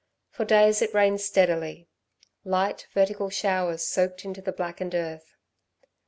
For days it rained steadily. Light vertical showers soaked into the blackened earth.